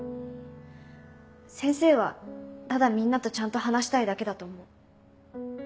先生はただみんなとちゃんと話したいだけだと思う。